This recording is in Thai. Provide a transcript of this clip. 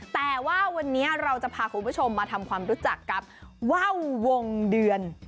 แต่ว่าวันนี้เราจะพาคุณผู้ชมมาทำความรู้จักกับว่าววงเดือน